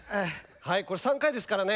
これ３回ですからね。